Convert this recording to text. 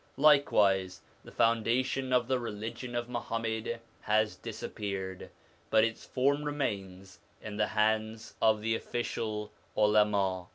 Likewise the foundation of the religion of Muhammad has disappeared, but its form remains in the hands of the official Ulama.